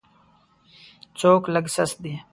څوک لږ سست دی.